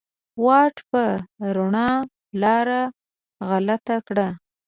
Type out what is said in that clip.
واټ په روڼا لار غلطه کړه